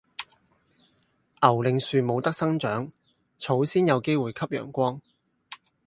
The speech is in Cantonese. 牛令樹冇得生長，草先至有機會吸陽光